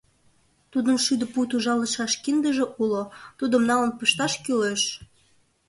Тудын шӱдӧ пуд ужалышаш киндыже уло, тудым налын пышташ кӱлеш.